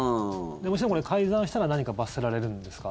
もちろん、改ざんしたら何か罰せられるんですか？